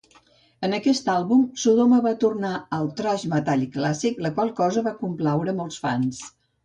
En aquest àlbum, Sodoma va tornar al thrash metall clàssic, la qual cosa va complaure a molts fans.